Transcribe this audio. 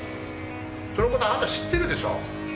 そのことあなた知ってるでしょ？